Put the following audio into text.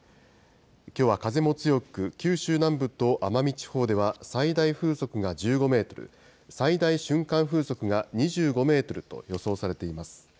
きょうは風も強く、九州南部と奄美地方では最大風速が１５メートル、最大瞬間風速が２５メートルと予想されています。